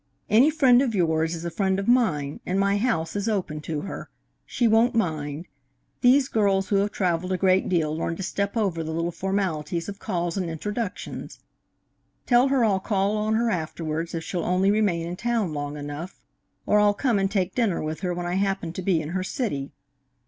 Any friend of yours is a friend of mine, and my house is open to her. She won't mind. These girls who have travelled a great deal learn to step over the little formalities of calls and introductions. Tell her I'll call on her afterwards, if she'll only remain in town long enough, or I'll come and take dinner with her when I happen to be in her city.